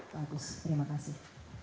bagus terima kasih